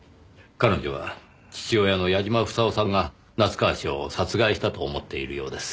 彼女は父親の矢嶋房夫さんが夏河氏を殺害したと思っているようです。